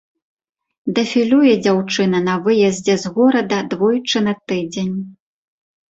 Дэфілюе дзяўчына на выездзе з горада двойчы на тыдзень.